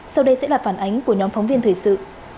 sau đây sẽ là phản ánh của nhóm phóng viên thời sự